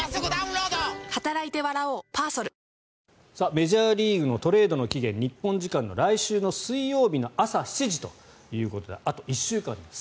メジャーリーグのトレードの期限日本時間の来週の水曜日の朝７時ということであと１週間です。